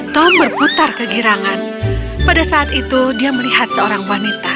tom berputar ke girangan pada saat itu dia melihat seorang wanita